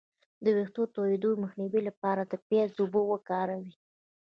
د ویښتو د تویدو مخنیوي لپاره د پیاز اوبه وکاروئ